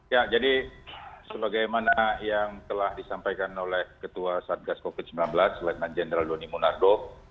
ya jadi sebagaimana yang telah disampaikan oleh ketua satgas covid sembilan belas letnan jenderal doni monardo